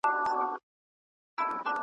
ګاونډي به دي زاغان سي .